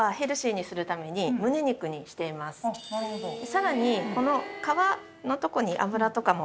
さらに。